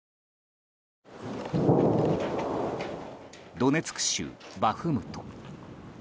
ドネツク州バフムト。